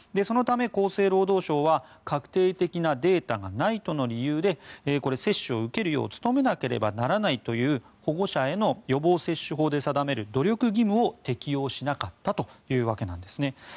そのため、厚生労働省は確定的なデータがないという理由で接種を受けるよう努めなければならないという保護者への予防接種法で定める努力義務を適用しなかったというわけなんですね。